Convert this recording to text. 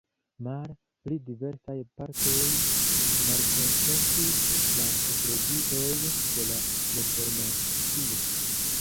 Male, pri diversaj partoj malkonsentis la eklezioj de la Reformacio.